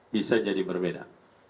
bisa jadi berbeda